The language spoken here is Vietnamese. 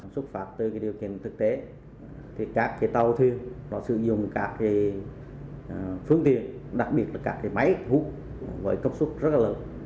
xuất phát từ điều kiện thực tế thì các tàu thuyền đã sử dụng các phương tiện đặc biệt là các máy hút với công suất rất lớn